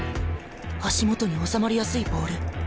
足元に収まりやすいボール。